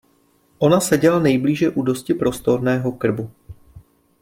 Ona seděla nejblíže u dosti prostorného krbu.